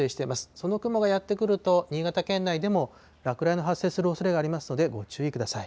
その雲がやって来ると、新潟県内でも落雷の発生するおそれがありますので、ご注意ください。